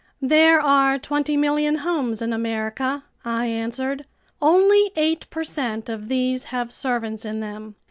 "There are twenty million homes in America," I answered. "Only eight per cent of these have servants in them.